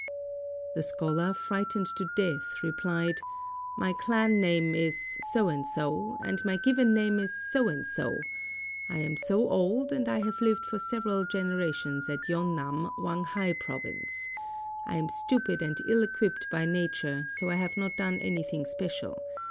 The scholar, frightened to death, replied, "My clan name is So and so, and my given name is So and so. I am so old, and I have lived for several generations at Yon nan, Whang hai Province. I am stupid and ill equipped by nature, so have not done anything special.